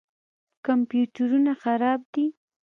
کمپیوټرونه خراب دي.